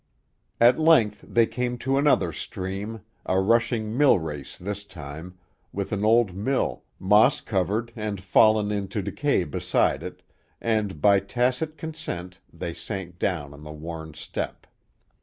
At length they came to another stream, a rushing mill race this time, with an old mill, moss covered and fallen into decay beside it, and by tacit consent they sank down on the worn step.